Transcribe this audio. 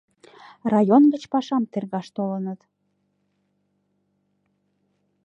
Район гыч пашам тергаш толыныт.